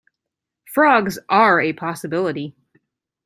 Frogs are a possibility.